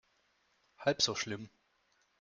Halb so schlimm.